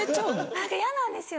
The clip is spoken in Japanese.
何か嫌なんですよ